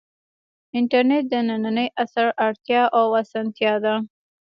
انټرنیټ د ننني عصر اړتیا او اسانتیا ده.